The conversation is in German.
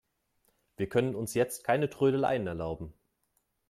Wir können uns jetzt keine Trödeleien erlauben.